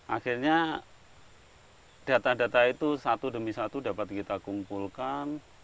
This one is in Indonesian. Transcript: akhirnya data data itu satu demi satu dapat kita kumpulkan